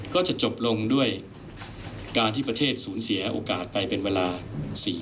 ก็จะจบลงด้วยการที่ประเทศสูญเสียโอกาสไปเป็นเวลา